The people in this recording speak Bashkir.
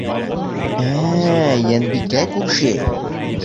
— Ә-ә-ә, Йәнбикә күрше...